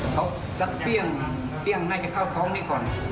เขาสัดเปลี้ยงเปลี้ยงได้แค่ข้าวท้องนี้ก่อน